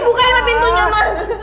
bukain dulu pintunya ma